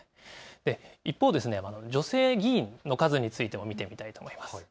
一方で女性議員の数についても見てみたいと思います。